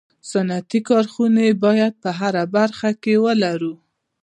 صنعتي کارخوني باید په هره برخه کي ولرو